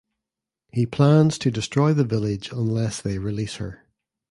He plans to destroy the village unless they release her.